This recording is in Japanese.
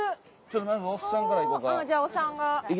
おっさんから行こうか。